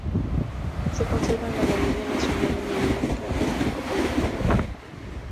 Se conserva en la Galería Nacional de Dinamarca, en Copenhague.